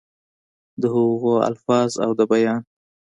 دَ هغوي الفاظ او دَ بيان